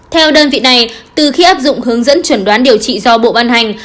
theo đơn vị này từ khi áp dụng hướng dẫn chuẩn đoán điều trị do bộ ban hành